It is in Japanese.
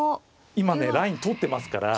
今ねライン通ってますから。